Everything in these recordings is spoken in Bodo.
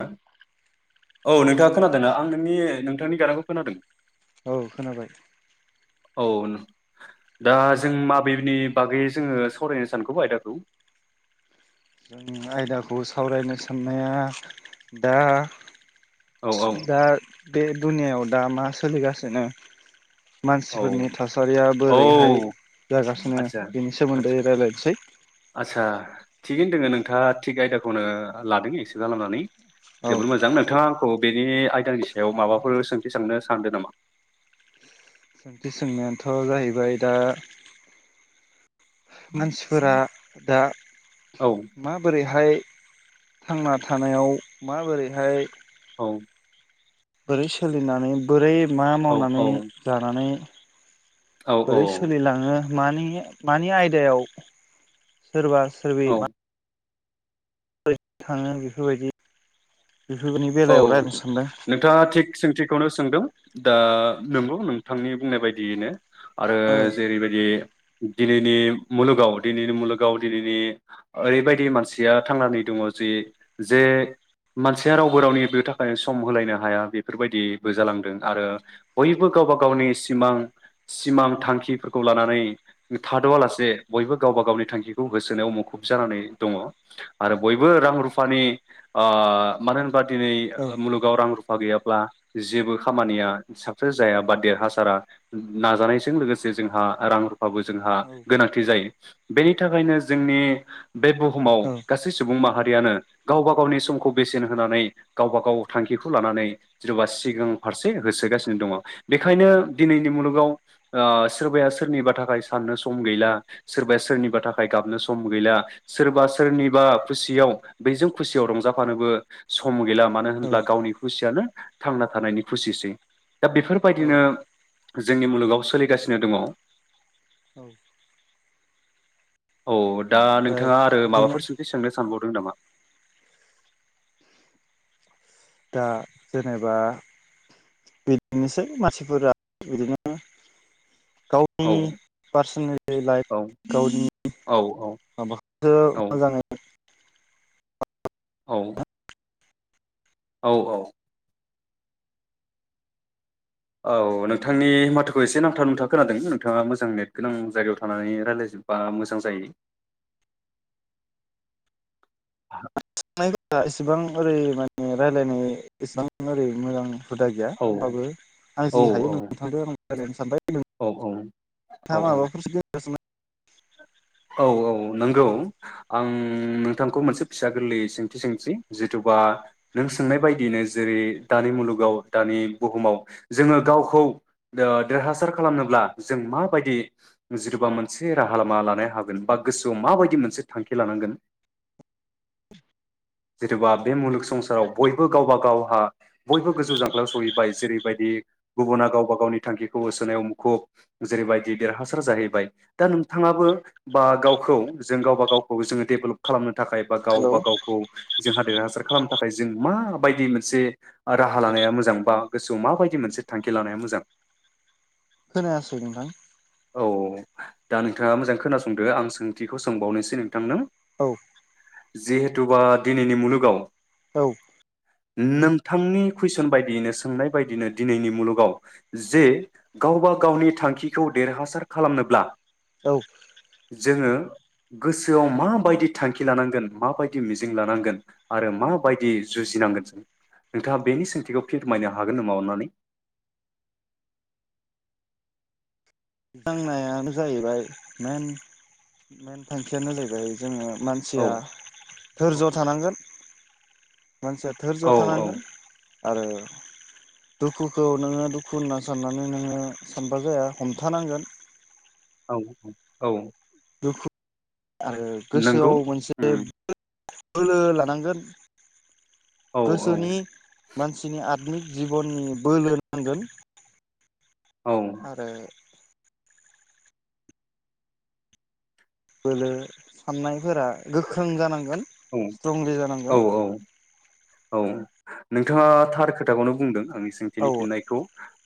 ह औ नोंथाङा खोनादोंना आं नोंनि नोंथांनि गारांखौ खोनादों औ खोनाबाय औ दा जों माबेनि बागै जोङो सावरायनो सानगौ आयदाखौ जों आयदाखौ सावरायनो साननाया दा औ औ दा बे दुनियाआव दा मा सोलिगासिनो औ मानसिफोरनि थासारिया औ बोरैहाय जागासिनो आदसा बेनि सोमोन्दै आदसा राय्लायनोसै आदसा थिगैनो दोङो नोंथाङा थिग आयदाखौनो लादों एक्सेप्ट खालामनानै औ जोबोद मोजां नोंथाङा आंखौ बेनि आयदानि सायाव माबाफोर सोंथि साननो सानदों नामा सोंथि सोंनायाथ' जाहैबाय दा मानसिफोरा दा औ माबोरैहाय थांना थानायाव माबोरैहाय औ बोरै सोलिनानै बोरै मा औ मावनानै जानानै औ औ बोरै सोलिलाङो मानि मानि आयदायाव सोरबा सोरबि औ औ मा थाङो बेफोरबायदि बेफोरनि औ बेलायाव रायज्लायनो सानदों। नोंथाङा थिग सोंथि खौनो सोंदों दा नंगौ नोंथांनि बुंनाय बायदियैनो आरो औ जेरैबायदि दिनैनि मुलुगाव दिनैनि मुलुगाव दिनैनि ओरैबायदि मानसिया थांनानै दङ जि जे मानसिया राव वबो रावनि बे थाखायनो सम होलायनो हाया बेफोरबायदिबो जालांदों आरो बयबो गावबा गावनि सिमां सिमां थांखिफोरखौ लानानै थाद'आ लासे बयबो गावबा गावनि थांखिखौ होसोनायाव मुखुब जानानै दङ आरो बयबो रां रुफानि ओ मानो होन दिनै औ मुलुगाव रां रुफा गैयाब्ला जेबो खामानिया साक्सेस जाया बा देरहासारा नाजानायजों लोगोसे जोंहा रां रुफाबो जोंहा औ गोनांथि जायो बेनि थाखायनो जोंनि बे बुहुमाव औ गासै सुबुं माहारियानो गावबा गावनि समखौ बेसेन होनानै गावबा गाव थांखिखौ लानानै जेन'बा सिगां फारसे होसोगासिनो दङ बेखायनो दिनैनि मुलुगाव ओ सोरबाया सोरनिबा थाखाय साननो सम गैला सोरबाया सोरनिबा थाखाय गाबनो सम गैला सोरबा सोरनिबा खुसियाव बैजों खुसियाव रंजाफानोबो सम गैला मानो औ होनब्ला गावनि खुसियानो थांना थानायनि खुसिसै दा औ बेफोरबायदिनो जोंनि मुलुगाव सोलिगासिनो दङ औ औ दा नों ओमफ्राय नोंथाङा आरो बिदिनो माबाफोर सोंथि सोंनो सानबाव दों नामा दा जेनेबा बिदिनोसै मानसिफोरा बिदिनो औ गावनि पार्सनेल औ लाइफ गावनि औ माबाखौसो औ मोजाङै औ औ औ औ नोंथांनि माथोखौ एसे नांथाब नुथा खोनादों नोंथाङा मोजां नेट गोनां जायगायाव थानानै रायलायजोबबा मोजां जायो [unintelligible] एसेबां ओरै माने रायलायनाय एसेबां ओरै मोजां हुदा गैया औ होमबाबो आं औ जि हायो नोंथांंदो रायलायनो सानबाय औ औ नोंथाङा औ माबाफोर [unintelligible] औ औ नंगौ आं नोंथांखौ मोनसे फिसा गोरलै सोंथि सोंनोसै जिथुबा नों सोंनाय बायदियैनो जेरै दानि मुलुगाव दानि बुहुमाव जोङो गावखौ ओ देरहासार खालामनोब्ला जों माबायदि जिथुबा मोनसे राहा लामा लानाय हागोन बा गोसोआव माबायदि मोनसे थांखि लानांगोन जेन'बा बे मुलुग संसाराव बयबो गावबा गावहा बयबो गोजौ जांख्लायाव सहैबाय जेरैबायदि गुबुना गावबा गावनि थांखिखौ होसोनायाव मुखुब जेरैबायदि देरहासार जाहैबाय दा नोंथाङाबो बा गावखौ जों गावबा गावखौ जोङो डेभेलप खालामनो थाखाय बा हेलौ गावबा गावखौ जोंहा देरहासार खालामनो था जों माबायदि मोनसे राहा लानाया मोजां बा गोसोआव माबायदि मोनसे थांखि लानाया मोजां खोनायासै नोंथां औ दा नोंथाङा मोजां खोना सोंदो आं सोंथिखौ सोंबावनोसै नोंथां नो औ जिहेथुबा दिनैनि मुलुगाव औ नोंथांनि कुइसन बायदियैनो सोंनाय बायदियैनो दिनैनि मुलुगाव जे गावबा गावनि थांखिखौ देरहासार खालामनोब्ला औ जोङो गोसोआव माबायदि थांखि लानांगोन माबायदि मिजिं लानांगोन आरो माबायदि जुजिनांगोन जों नोंथाङा बेनि सोंथिखौ फोरमायनो हागोन नामा अन्नानै दांनायानो जाहैबाय मेन थांखियानो जाहैबाय जोङो औ मानसिया दोरज थानांगोन मानसिया धोरज' औ औ थानांगोन आरो दुखुखौ नोङो दुखु होनना साननानै नोङो सानबा जाया हमथानांगोन औ औ दुखु आरो नंगौ गोसोआव मोनसे उम बोलो लानांगोन औ गोसोनि मानसिनि आ आनिक जिबननि बोलो नांगोन औ आरो बोलो साननायफोरा गोख्रों जानांगौ औ सिथ्रंलि औ जानांगोन औ औ नोंथाङा थार खोथाखौनो बुंदों आंनि औ सोंथिनि फिननायखौ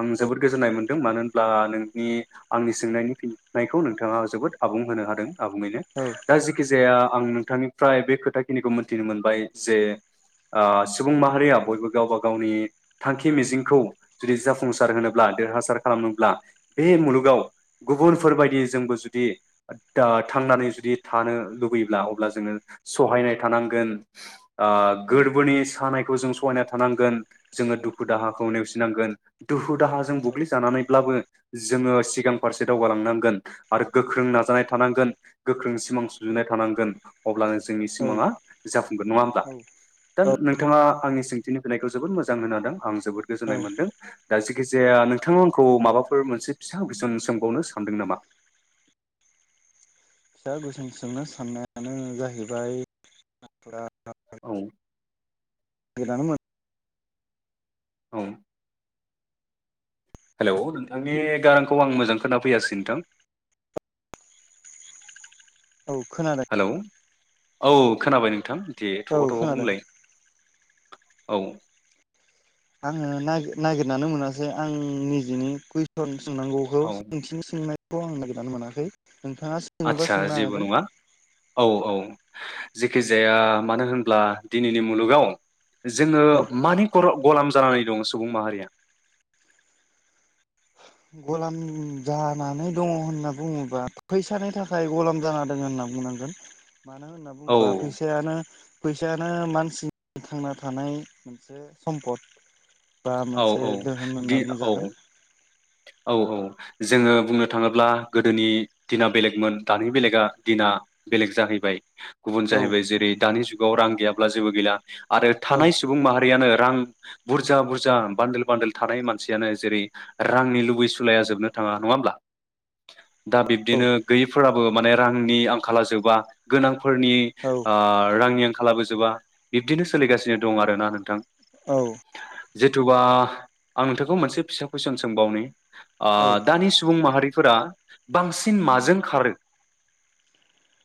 आं जोबोद गोजोननाय मोन्दों मानो होनब्ला नोंनि आंनि सोंनायनि फिननायखौ नोंथाङा जोबोद आबुं होनो हादों आबुङैनो औ औ दा जेखि जाया आं नोंथांनिफ्राय बे खोथा खिनिखौ मोनथिनो मोनबाय जे ओ सुबुं माहारिया बयबो गावबा गावनि थांखि मिजिंखौ जुदि जाफुंसार होनोब्ला देरहासार खालामनोब्ला बे मुलुगाव गुबुनफोरबायदि जोंबो जुदि दा थांनानै जुदि थानो लुबैयोब्ला अब्ला जोङो सहायनाय थानांगोन ओ गोरबोनि सानायखौ जों सहायना थानांगोन जोङो दुखु दाहाखौ नेवसिनांगोन दुखु दाहाजों बुग्लिजानानैब्लाबो जोङो सिगां फारसे दावगालांनांगोन आरो गोख्रों नाजानाय थानांगोन गोख्रों सिमां सुजुनाय थानांगोन अब्लानो जोंनि सिमाङा जाफुंगोन नङा होमबा औ दा औ नोंथाङा आंनि सोंथिनि फैनायखौ जोबोद मोजां होनो हादों आं जोबोद औ गोजोननाय औ मोनदों दा जेखिजाया नोंथांङा आंखौ माबाफोर मोनसे फिसा कुइसन सोंबावनो सानदों नामा फिसा गोसोम सोंनो साननायानो जाहैबाय [inaudible] उम बिदानो मोन औ हेलौ नोंथांनि गारांखौ आं मोजां खोनाफैयासै नोंथां औ खोनादों हेलौ औ खोनाबाय नोंथां दे औ थग' थग' खोनादों बुंलाय औ आङो नागि नागिरनानै मोनासै आं निजेनि कुइसन सोंनांगौखौ औ सोथिंनि सोंनाय खौ आं नागिरनानै मोनाखै नोंथाङा सोङोबा आदसा सोंनो जेबो हागोन नङा औ औ जेखि जाया मानो होनब्ला दिनैनि मुलुगाव जोङो औ मानि खर गलाम जानानै दं सुबुं माहारिया गलाम जानानै दङ होनना बुङोबा फैसानि थाखाय गलाम जाना दङ होनना बुंनांगोन मानो होनना औ बुङोबा फैसायानो फैसायानो मानसिनि थांना थानाय मोनसे सम्पद बा औ मोनसे औ दोहोन बे होनना औ बुंजागोन औ औ जोङो बुंनो थाङोब्ला गोदोनि दिना बेलेगमोन दानि बेलेगा दिना बेलेग जाहैबाय गुबुन औ जाहैबाय जेरै दानि जुग आव रां गैयाब्ला जेबो गैला आरो औ थानाय सुबुं माहारियानो रां बुरजा बुरजा जा बान्दोल बान्दोल थानाय मानसियानो जेरै रांनि लुबैसुलाया जोबनो थाङा नङा होमब्ला दा औ बिब्दिनो गैयैफोराबो बो माने रांनि आंखाला जोबा गोनां फोरनि औ ओ रांनि आं खालाबो जोबा बिब्दिनो सोलिगासिनो दं आरोना नोंथां औ जिथुबा आं नोंथांखौ मोनसे फिसा कुइसन सोंबावनो ओ औ दानि सुबुं माहारि फोरा बांसिन माजों खारो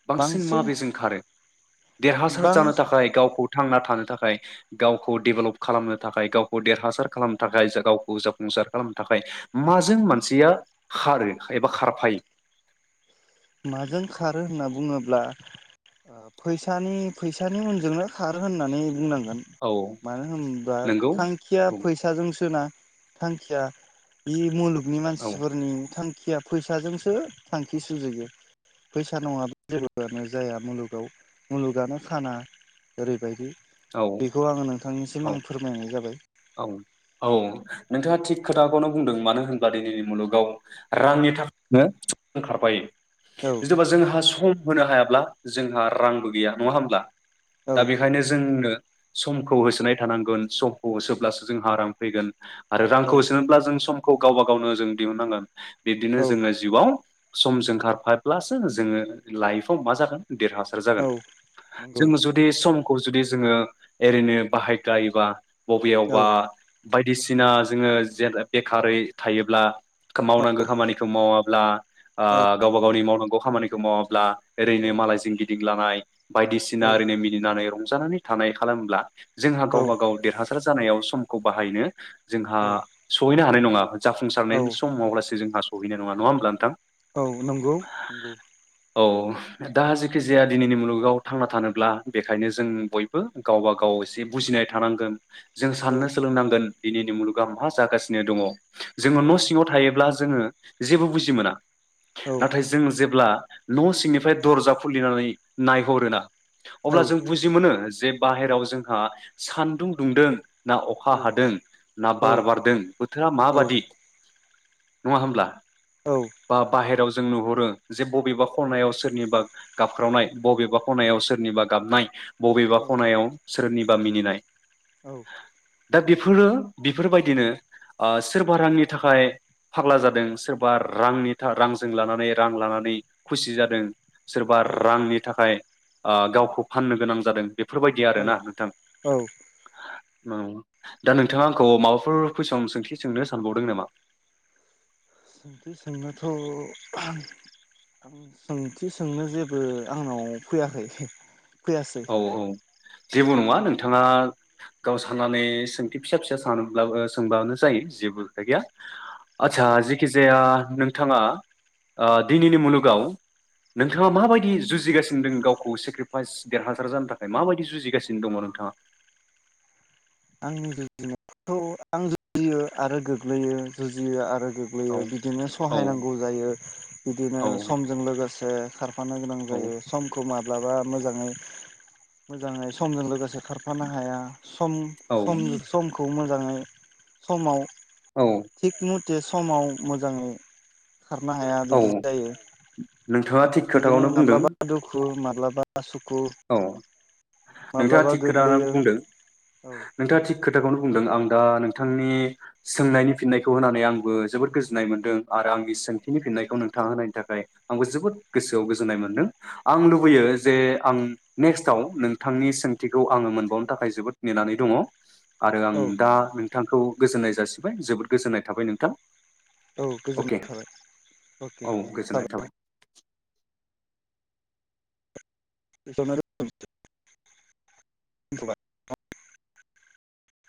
बांसिन माबेजों खारो देरहासार बां जानो थाखाय गावखौ थांना थानो थाखाय गावखौ डेभेलप खालामनो थाखाय देरहासार खालामनो थाखाय गावखौ जाफुंसार खालामनो थाखाय माजों मानसिया खारो एबा खारफायो माजों खारो होनना बुङोब्ला फैसानि फैसानि उनजोंनो खारो होननानै बुंनांगौ औ मानो होनोबा नंगौ थांखिया औ फैसाजोंसोना थांखिया [unintelligible] नि औ मानसिफोरनि थांखि फैसाजोंसो थांखि सुजुयो फैसा नङाबा जेबोआनो जाया मुलुगाव मुलुगानो खाना ओरैबायदि औ बेखौ आं नोंनिसिम औ आं फोरमायनाय जाबाय औ औ नोंथाङा थिग खोथाखौनो बुंदों मानो होनबा दिनैनि मुलुगाव रांनि थाखायनो खारफायो औ जेन'बा जोंहा सम होनो हायाब्ला जोंहा रांबो गैया नङा होमब्ला औ दा बेखायनो जोंनो समखौ होसोनाय थानांगोन समखौ [unintelligible] सो जोंहा रां फैगोन आरो औ रांखौ हो सोनोब्ला जों सम खौ गावबा गावनो जों दिहुननांगोन बिदिनो जोङो जिउआव समजों खारफाब्लासो जोङो लाइफआव मा जागोन देरहासार औ जागोन नंगौ जोंङो जुदि सम जुदि जोङो ओरैनो बाहायनाय जायोब्ला औ बा बायदिसिना जोङो जेन खारै थायोब्ला औ मावनांगौ खामानिखौ माव [unintelligible] ओ औ गावबा गावनि मावनांगौ खामानिखौ मावाब्ला ओरैनो औ मालायजोंं गिदिंलाबायनाय बायदिसिना औ ओरैनो मिनिना जानानै थानाय खालामोब्ला जोंहा गावबा गाव देरहास जानायाव समखौ बाहायनो जोंहा औ सहैनो हानाय नङा औ जाफुंसारनायनि समावब्लासो जोंहा [unintelligible] नङा होमब्ला नोंथां औ नंगौ नंगौ औ दा जेखि जाया दिनैनि मुलुगाव थांना थानोब्ला बेखायनो जों बयबो गावबा गाव एसे बुजिनाय थानांगोन जों औ साननो सोलोंनांगोन दिनैनि मुलुगा मा जागासिनो दङ जोङो औ न' सिङाव थायोब्ला जोङो जेबो बुजि मोना औ नाथाय जों जेब्ला ब्ला न' सिंनिफ्राय दरजा खुलिनानै नायहरोना अब्ला जों बुजि मोनो जे बाहेराव जोंहा सान्दुं दुंदों ना अखा औ हादों ना बार बारदों बोथोरा माबादि नङा होमब्ला औ बा बाहेरायाव जों नुहरो जे बबेबा खनायाव सोरनिबा गाबख्रावनाय बबेबा खनायाव सोरनिबा गाबनाय बबेबा खनायाव सोरनिबा मिनिनाय दा बेफोरो बेफोरबायदिनो ओ सोरबा रांनि थाखाय फाग्ला जादों सोरबा रांनि रांजों लानानै रां लानानै खुसि जादों सोरबा रांनि थाखाय आ गावखौ फाननो गोनां जादों बेफोरबायदि आरोना नोंथां औ औ दा नोंथाङा आंखौ माबाफोर कुइसन सोंथि सोंनो सानबावदों नामा सोंथि सोंनोथ' सोंथि सोंनो जेबो आंनाव फैयाखै फैयासै औ औ जेबो नङा नोंथाङा गाव साननानै सोंथि फिसा फिसा सानब्लाबो सोंबानो जायो जेबो खोथा गैया आदसा जेखि जाया नोंथाङा ओ दिनैनि मुलुगाव नोंथाङा माबायदि जुजिगासिनो दं गावखौ सेक्रिफाइस देरहासार जानो थाखाय माबायदि जुजिगासिनो दङ नोंथाङा आंनि जुजिनायखौ आं जुजियो आरो गोग्लैयो जुजियो आरो औ गोग्लैयो बिदिनो औ सहायनांगौ जायो बिदिनो औ समजों लोगोसे फानो गोनां जायो समखौ माब माब्लाबा मोजाङै मोजाङै समजों लोगोसे खारफानो हाया सम औ समनि समख खौ मोजाङै समाव औ थिक मुथ जे समाव मोजाङै खारनो हाया बिदि औ जायो नोंथाङा थिग बिदिनो खोथाखौनो बुंदों माब्लाबा दुखु माब्लाबा सुखु औ नोंथाङा माब्लाबा थिग खोथाखोनो गोग्लैयो बुंदों औ नोंथाङा थिग खोथा खोथाखौनो बुंदों आं दा नोंथांनि सोंनायनि फिननायखौ होनानै आंबो जोबोद गोजोननाय मोनदों आरो आंनि सोंथिनि फिन्नायखौ नोंथाङा होनायनि थाखाय आंबो जोबोद गोसोआव गोजोननाय मोन्दों आं औ लुबैयो जे आं नेकस्टआव नोंथांनि सोंथिखौ आङो मोनबावनो थाखाय जोबोद नेनानै दङ आरो आं औ दा नोंथांखौ गोजोन्नाय जासिबाय जोबोद गोजोननाय थाबाय नोंथां औ अके गोजोननाय थाबाय अके औ गोजोननाय थाबाय जाबाय बेखौनो रों दोनथ'बाय